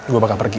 gue bakal pergi